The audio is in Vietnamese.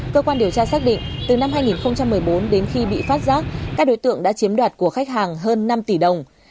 cơ quan điều tra xác định từ năm hai nghìn một mươi bốn đến khi bị phát giác các đối tượng đã chiếm đoạt của khách hàng hơn năm tỷ đồng